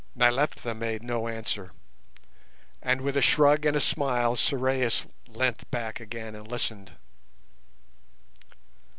Nyleptha made no answer, and with a shrug and a smile Sorais leant back again and listened.